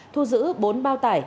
thu giữ bốn bao tải